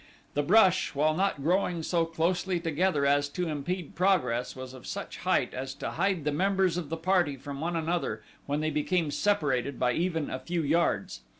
The brush, while not growing so closely together as to impede progress, was of such height as to hide the members of the party from one another when they became separated by even a few yards.